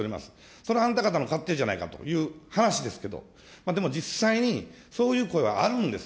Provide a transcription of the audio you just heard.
それはあなた方の勝手じゃないかという話ですけれども、でも実際に、そういう声はあるんです。